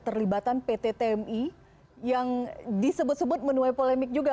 terlibatan pt tmi yang disebut sebut menuai polemik juga